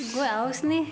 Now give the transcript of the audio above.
gua haus nih